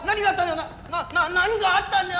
「なっ何があったんだよ！」